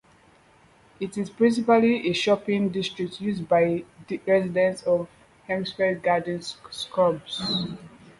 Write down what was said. It is principally a shopping district used by residents of the Hampstead Garden Suburb.